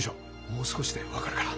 もう少しで分かるから。